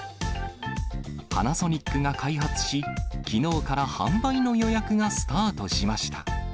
パナソニックが開発し、きのうから販売の予約がスタートしました。